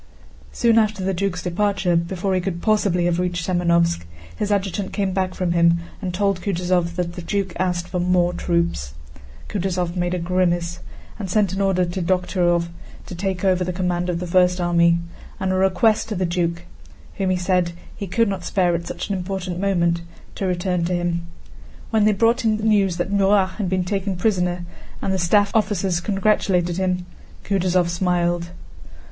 Soon after the duke's departure—before he could possibly have reached Semënovsk—his adjutant came back from him and told Kutúzov that the duke asked for more troops. Kutúzov made a grimace and sent an order to Dokhtúrov to take over the command of the first army, and a request to the duke—whom he said he could not spare at such an important moment—to return to him. When they brought him news that Murat had been taken prisoner, and the staff officers congratulated him, Kutúzov smiled.